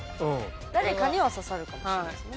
誰かには刺さるかもしれないですね。